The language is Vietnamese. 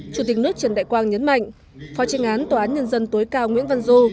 chủ tịch nước trần đại quang nhấn mạnh phó tranh án tòa án nhân dân tối cao nguyễn văn du